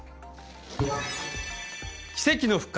奇跡の復活！